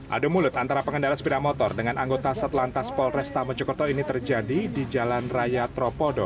adu mulut antara pengendara sepeda motor dengan anggota satlantas polresta mojokerto ini terjadi di jalan raya tropodo